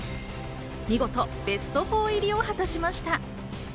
見事ベスト４入りを果たしました。